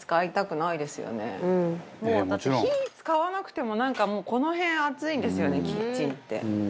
もうだって火使わなくてもなんかもうこの辺暑いんですよねキッチンって。